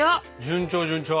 順調順調。